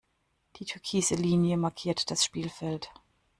Die türkise Linie markiert das Spielfeld.